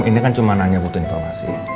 ini kan cuma hanya butuh informasi